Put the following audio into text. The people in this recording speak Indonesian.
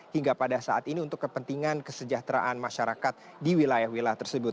hingga pada saat ini untuk kepentingan kesejahteraan masyarakat di wilayah wilayah tersebut